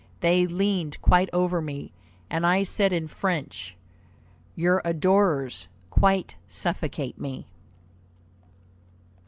They leaned quite over me, and I said in French, 'Your adorers quite suffocate me.'"